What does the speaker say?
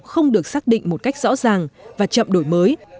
không được xác định một cách rõ ràng và chậm đổi mới